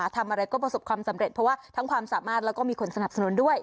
ทำอะไรก็ประสบความสำเร็จเพราะว่าทั้งความสามารถแล้วก็มีคนสนับสนุนด้วย